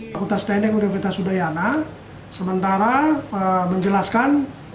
fakultas teknik universitas udayana sementara menjelaskan